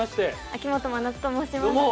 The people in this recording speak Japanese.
秋元真夏と申します。